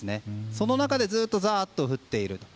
その中でずっとザッと降っている。